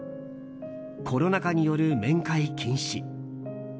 コロナ禍による面会禁止。